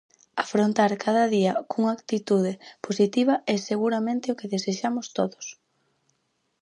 Afrontar cada día cunha actitude positiva é seguramente o que desexamos todos.